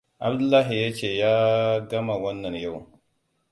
Abdullahi ya ce ya gama wannan yau.